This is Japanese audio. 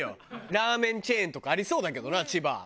ラーメンチェーンとかありそうだけどな千葉。